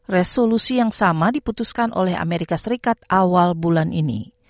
resolusi yang sama diputuskan oleh amerika serikat awal bulan ini